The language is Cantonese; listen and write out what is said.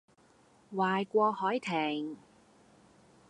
壞過凱婷